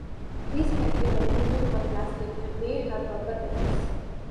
These can be aluminium or plastic and may have rubber edges.